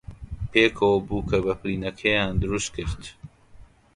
پێکەوە بووکەبەفرینەیەکیان دروست کرد.